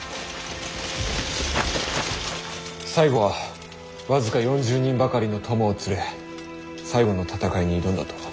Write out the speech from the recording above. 最後は僅か４０人ばかりの供を連れ最後の戦いに挑んだと。